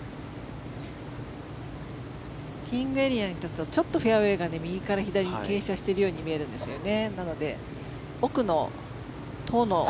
ティーイングエリアだとちょっと右から左に傾斜しているように見えるんですよね。